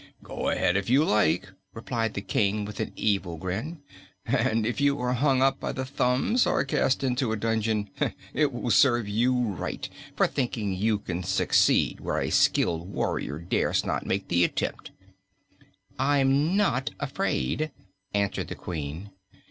"Go ahead, if you like," replied the King, with an evil grin, "and if you are hung up by the thumbs or cast into a dungeon, it will serve you right for thinking you can succeed where a skilled warrior dares not make the attempt." "I'm not afraid," answered the Queen.